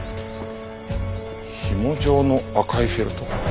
ひも状の赤いフェルト？